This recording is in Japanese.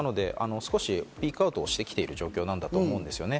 ピークアウトしてきている状況なんだと思うんですね。